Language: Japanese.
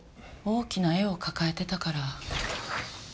大きな絵を抱えてたから。